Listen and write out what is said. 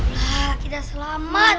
lah kita selamat